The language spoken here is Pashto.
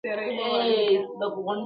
يار له جهان سره سیالي کومه ښه کومه ,